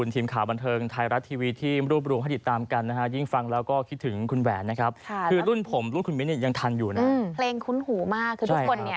ที่คงไม่ทำให้เราช้ำใจ